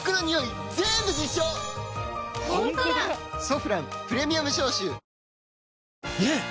「ソフランプレミアム消臭」ねえ‼